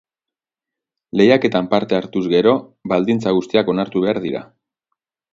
Lehiaketan parte hartuz gero baldintza guztiak onartu behar dira.